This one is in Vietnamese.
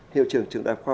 hiệu trưởng trưởng đại khoa